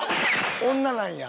女なんや。